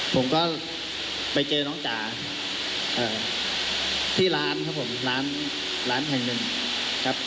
ผมก็ไปเจอน้องจ๋าที่ร้านครับผมร้านแห่งหนึ่งครับ